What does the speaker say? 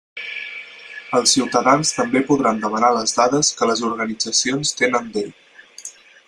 Els ciutadans també podran demanar les dades que les organitzacions tenen d'ell.